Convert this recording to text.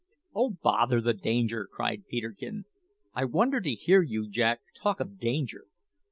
"Oh, bother the danger!" cried Peterkin. "I wonder to hear you, Jack, talk of danger!